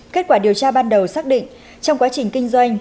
kết quả điều tra ban đầu xác định trong quá trình kinh doanh